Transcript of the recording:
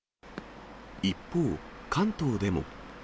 一方、関東でも。